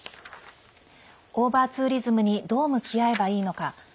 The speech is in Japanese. オーバーツーリズムにどう向き合えばいいのか。